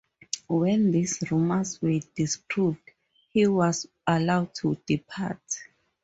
When these rumors were disproved, he was allowed to depart.